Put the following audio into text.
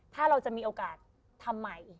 ถ้าเราจะมีโอกาสทำใหม่อีก